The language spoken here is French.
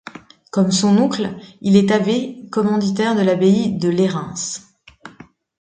Comme son oncle il est abbé commendataire de l'abbaye de Lérins.